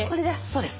そうです。